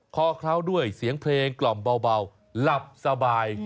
คอเคล้าด้วยเสียงเพลงกล่อมเบาหลับสบาย